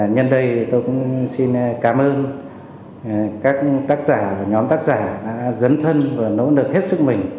nhân đây tôi cũng xin cảm ơn các tác giả và nhóm tác giả đã dấn thân và nỗ lực hết sức mình